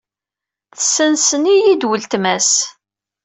Tessansen-iyi-d uletma-s.